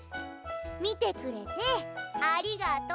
見てくれてありがとう。